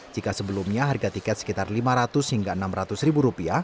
jika sebelumnya harga tiket sekitar rp lima ratus hingga rp enam ratus